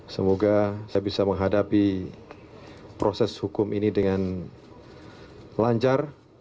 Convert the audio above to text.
semoga saya bisa menghadapi proses hukum ini dengan lancar